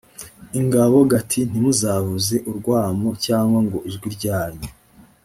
ingabo g ati ntimuzavuze urwamo cyangwa ngo ijwi ryanyu